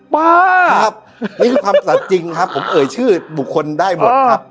มากครับนี่คือความสัดจริงครับผมเอ่ยชื่อบุคคลได้หมดครับ